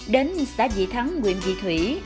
đến xã dị thắng nguyện dị thủy